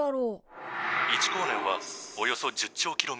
「１光年はおよそ１０兆ｋｍ。